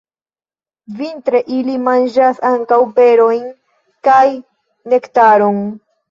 Vintre ili manĝas ankaŭ berojn kaj nektaron.